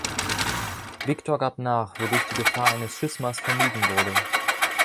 Viktor gab nach, wodurch die Gefahr eines Schismas vermieden wurde.